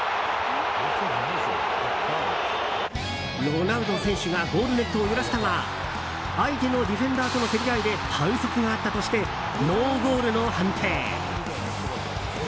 ロナウド選手がゴールネットを揺らしたが相手のディフェンダーとの競り合いで反則があったとしてノーゴールの判定。